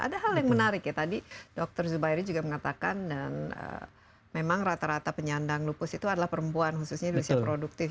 ada hal yang menarik ya tadi dokter zubairi juga mengatakan dan memang rata rata penyandang lupus itu adalah perempuan khususnya di usia produktif